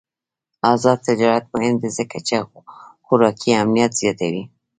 آزاد تجارت مهم دی ځکه چې خوراکي امنیت زیاتوي.